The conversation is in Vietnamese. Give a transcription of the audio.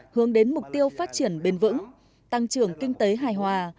hướng đến mục tiêu phát triển bền vững tăng trưởng kinh tế hài hòa